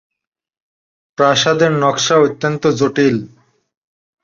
প্রাসাদের নকশা অত্যন্ত জটিল।